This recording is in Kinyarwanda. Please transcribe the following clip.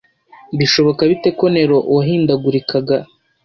Bishoboka bite ko Nero wahindagurikaga,